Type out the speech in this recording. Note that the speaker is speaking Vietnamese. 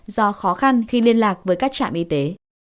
do khó khăn khi liên lạc với các trạm y tế